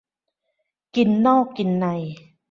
กินนอกกินใน